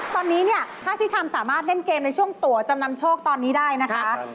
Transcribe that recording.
ตอนนี้เนี่ยถ้าพี่ทำสามารถเล่นเกมในช่วงตัวจำนำโชคตอนนี้ได้นะคะ